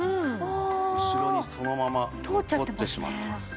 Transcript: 後ろにそのまま通ってしまっています。